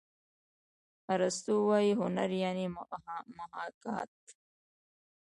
ارستو وايي هنر یعني محاکات.